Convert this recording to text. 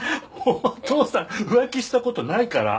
お父さん浮気したことないから。